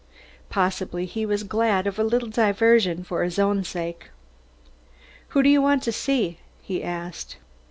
Possibly he was glad of a little diversion for his own sake. "Who do you want to see?" he asked.